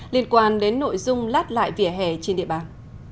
liên quan đến nội dung lát lại vỉa hè trên địa bàn